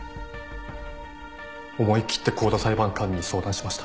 思い切って香田裁判官に相談しました。